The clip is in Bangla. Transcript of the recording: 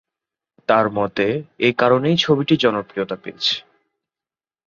তার মতে, এ কারণেই ছবিটি জনপ্রিয়তা পেয়েছে।